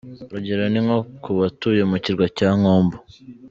Urugero ni nko ku batuye mu Kirwa cya Nkombo.